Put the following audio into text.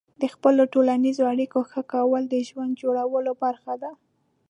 د خپلو ټولنیزو اړیکو ښه کول د ژوند جوړولو برخه ده.